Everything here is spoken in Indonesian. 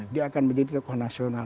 dia akan menjadi tokoh nasional